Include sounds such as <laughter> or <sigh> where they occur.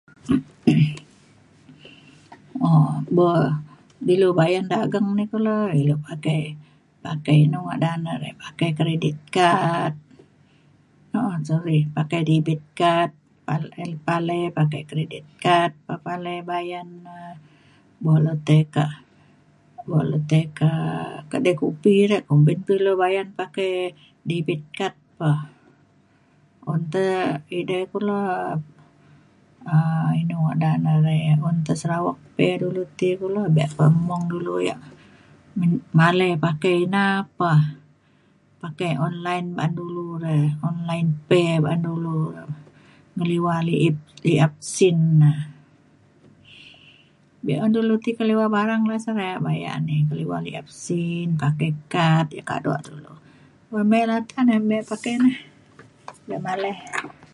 <coughs> um bo' ilu bayen dageng di kulu ilu pakai, pakai inu ngadan re' rey pakai keridit kad um sorry pakai dibit kad palai pakai kridit kad pe palai bayan e. bok le tai kak bok le tai kak kedai kupi re kumpin pe ilu bayan pakai dibit kad pe. un te edai kulu um inu ngadan ya re' un te Sarawak Pay dulu ti e kulu. bek pe mung dulu ya' men- malai pakai ina pe pakai online ba'an dulu re online pay ba'an dulu re. ngeliwa liep liap sin na. be'un dulu ti keliwa barang re' bayan keliwa liap sin, pakai kad ya' kaduk dulu un mik nta ne mik pakai na da maleh